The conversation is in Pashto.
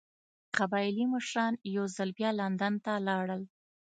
قبایلي مشران یو ځل بیا لندن ته لاړل.